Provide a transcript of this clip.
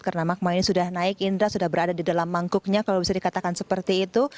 karena magma ini sudah naik indra sudah berada di dalam mangkuknya kalau bisa dikatakan seperti itu